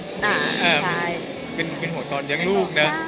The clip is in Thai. เป็นห่วงตอนเลี้ยงลูกนะ